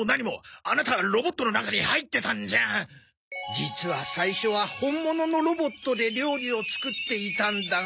実は最初は本物のロボットで料理を作っていたんだが。